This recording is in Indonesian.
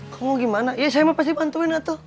kamu gimana ya saya mau pasti bantuin atuh